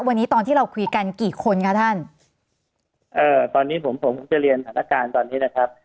วันนี้ตอนที่เราคุยกันกี่คนคะท่านเอ่อตอนนี้ผมผมจะเรียนสถานการณ์ตอนนี้นะครับ